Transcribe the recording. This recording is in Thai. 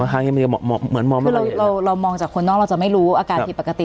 เรามองจากคนนอกเราจะไม่รู้อาการผิดปกติ